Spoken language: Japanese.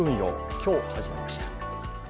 今日、始まりました。